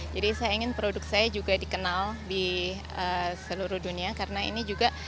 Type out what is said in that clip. jadi saya ingin produk saya juga dikenal di seluruh dunia karena ini juga